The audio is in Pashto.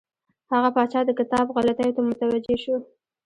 هغه پاچا د کتاب غلطیو ته متوجه شو.